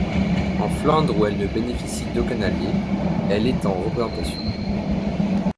En Flandre où elle ne bénéficie d'aucun allié, elle est en représentation.